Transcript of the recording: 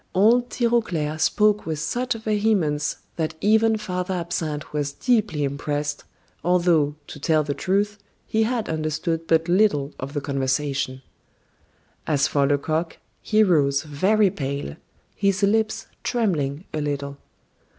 Old Tirauclair spoke with such vehemence that even Father Absinthe was deeply impressed, although, to tell the truth, he had understood but little of the conversation. As for Lecoq, he rose very pale, his lips trembling a little.